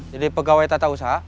jadi pegawai tata usaha